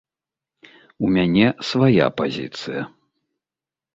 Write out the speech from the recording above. У мяне свая пазіцыя.